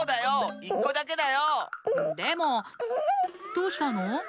どうしたの？